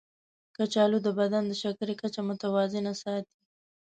کچالو د بدن د شکرې کچه متوازنه ساتي.